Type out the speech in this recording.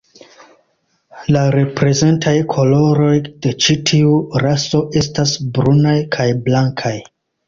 La reprezentaj koloroj de ĉi tiu raso estas brunaj kaj blankaj.